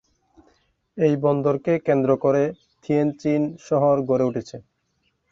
এই বন্দরকে কেন্দ্র করে থিয়েনচিন শহর গড়ে উঠেছে।